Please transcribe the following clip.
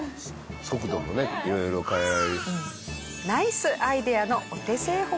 速度もね色々変えられる。